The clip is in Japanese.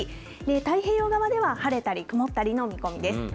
太平洋側では晴れたり曇ったりの見込みです。